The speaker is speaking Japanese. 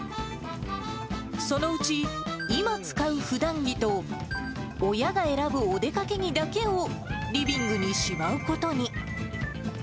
そのうち今使うふだん着と、親が選ぶお出かけ着だけをリビングにしまうことに。